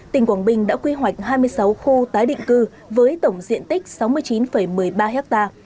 tỉnh quảng bình đã quy hoạch hai mươi sáu khu tái định cư với tổng diện tích sáu mươi chín một mươi ba ha